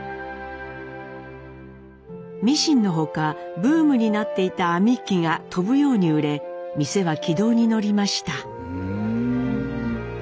ミシンの他ブームになっていた編み機が飛ぶように売れ店は軌道に乗りました。